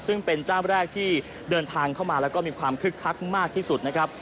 ซึ่งเป็นเจ้าแรกที่เดินทางเข้ามาแล้วก็มีความคึกคักมากที่สุดนะครับ